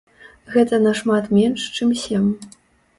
Гэта нашмат менш, чым сем.